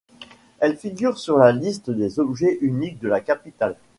Elle figure sur la liste des objets uniques de la capitale.